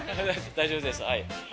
大丈夫です、はい。